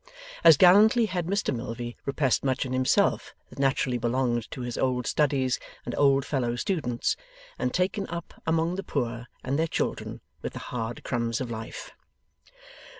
As gallantly had Mr Milvey repressed much in himself that naturally belonged to his old studies and old fellow students, and taken up among the poor and their children with the hard crumbs of life.